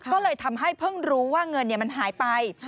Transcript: ก็เลยทำให้เพิ่งรู้ว่าเงินมันหายไป